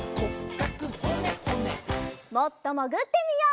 もっともぐってみよう。